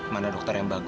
mana dokter yang bantuin